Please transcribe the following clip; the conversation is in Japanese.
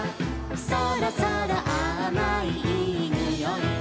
「そろそろあまいいいにおい」